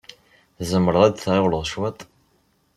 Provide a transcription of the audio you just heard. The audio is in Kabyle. Tzemreḍ ad tɣiwleḍ cwiṭ?